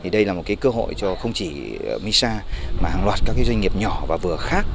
đây là một cơ hội cho không chỉ misa mà hàng loạt các doanh nghiệp nhỏ và vừa khác